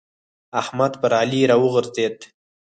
احمد پر علي راغورځېد.